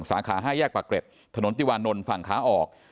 สาขา๕แยกปากเกร็ดถนนติวานนท์ฝั่งขาออก